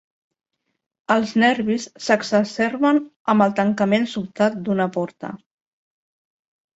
Els nervis s'exacerben amb el tancament sobtat d'una porta.